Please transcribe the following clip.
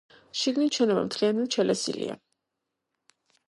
შიგნით შენობა მთლიანად შელესილია.